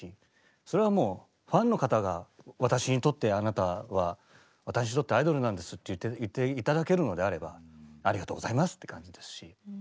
それはもうファンの方が「私にとってあなたは私にとってアイドルなんです」って言って頂けるのであればありがとうございますって感じですし。